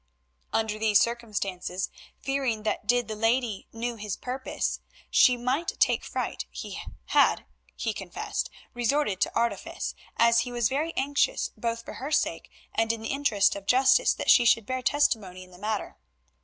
Under these circumstances, fearing that did the lady knew his purpose she might take fright, he had, he confessed, resorted to artifice, as he was very anxious both for her sake and in the interest of justice that she should bear testimony in the matter.